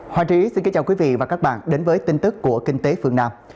hoàng trí xin kính chào quý vị và các bạn đến với tin tức của kinh tế phương nam